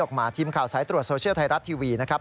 ออกมาทีมข่าวสายตรวจโซเชียลไทยรัฐทีวีนะครับ